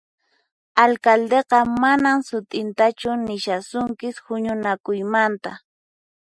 Alcaldeqa manan sut'intachu nishasunkis huñunakuymanta